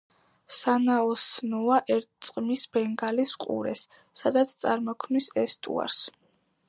სანაოსნოა, ერწყმის ბენგალის ყურეს, სადაც წარმოქმნის ესტუარს.